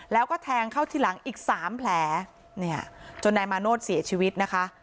แล้วก็แทงเข้าที่หลังอีกสามแผลเนี่ยจนนายมาโนธเสียชีวิตนะคะ